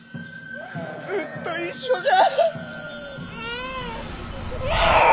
ずっと一緒じゃ！